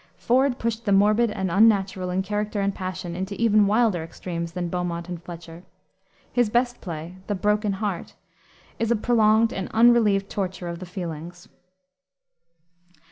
Ford pushed the morbid and unnatural in character and passion into even wilder extremes than Beaumont and Fletcher. His best play, the Broken Heart, is a prolonged and unrelieved torture of the feelings.